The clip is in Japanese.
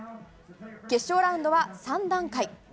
決勝ラウンドは３段階。